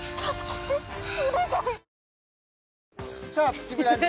「プチブランチ」